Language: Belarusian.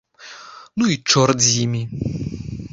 Ну і чорт з імі!